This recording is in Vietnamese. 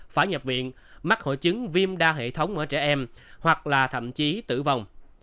phải nhập viện mắc hội chứng viêm đa hệ thống ở trẻ em hoặc là thậm chí tử vong